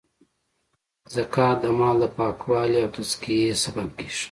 زکات د مال د پاکوالې او تذکیې سبب کیږی.